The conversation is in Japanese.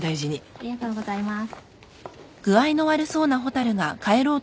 ありがとうございます。